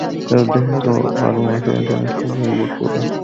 এর উদ্দেশ্য ছিল আরও মানুষকে ইন্টারনেট ও ফেসবুকের সঙ্গে সংযুক্ত করা।